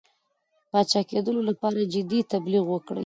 پاچاکېدلو لپاره جدي تبلیغ وکړي.